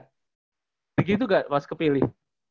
kayak gitu gak pas kepilih